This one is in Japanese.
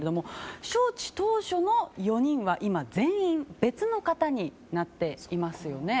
招致当初の４人は今、全員別の方になっていますよね。